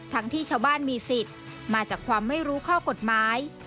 ที่ชาวบ้านมีสิทธิ์มาจากความไม่รู้ข้อกฎหมาย